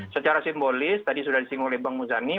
secara simbolis tadi sudah disimulir bang muzani